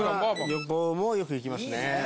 旅行もよく行きますね。